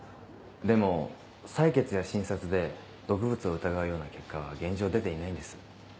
でも採血や診察で毒物を疑うような結果は現状出ていないんです。